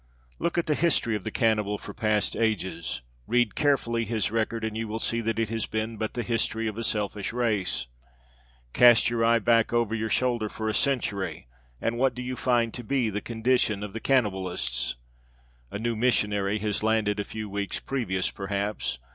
Look at the history of the cannibal for past ages. Read carefully his record and you will see that it has been but the history of a selfish race. Cast your eye back over your shoulder for a century, and what do you find to be the condition of the cannibalists? A new missionary has landed a few weeks previous perhaps.